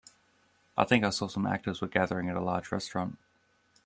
I think I saw some actors were gathering at a large restaurant.